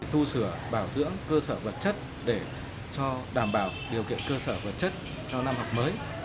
tu sửa bảo dưỡng cơ sở vật chất để cho đảm bảo điều kiện cơ sở vật chất cho năm học mới